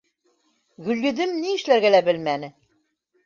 Гөлйөҙөм ни эшләргә лә белмәне.